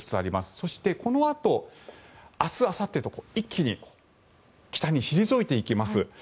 そしてこのあと、明日あさってと一気に北に退いていきます。